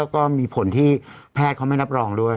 ก็มีผลที่แพทย์เขาไม่รับรองด้วย